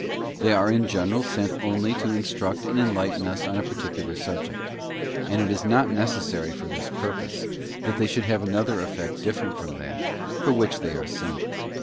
They are in general sent only to instruct and enlighten us on a particular subject; and it is not necessary for this purpose, that they should have another effect different from that, for which they are sent.